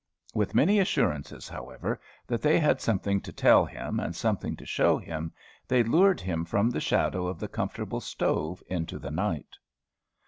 With many assurances, however, that they had something to tell him, and something to show him, they lured him from the shadow of the comfortable stove into the night.